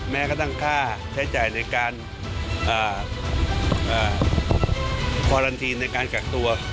แม้กระทั่งค่าใช้จ่ายในการคอลันทีนในการกักตัว